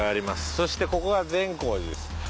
そしてここが善光寺です。